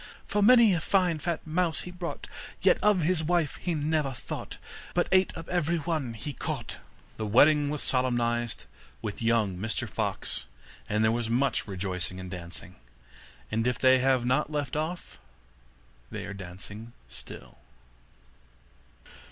For many a fine fat mouse he brought, Yet of his wife he never thought, But ate up every one he caught.' Then the wedding was solemnized with young Mr Fox, and there was much rejoicing and dancing; and if they have not left off, they are dancing still.